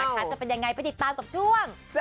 จะเป็นยังไงไปติดตามกับช่วง